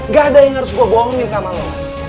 gak ada yang harus gue bohongin sama lo